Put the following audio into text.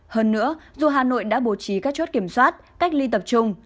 hơn nữa dù hà nội đã bổ trí các chốt kiểm soát cách ly tập trung